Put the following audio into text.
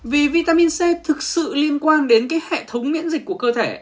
vì vitamin c thực sự liên quan đến hệ thống miễn dịch của cơ thể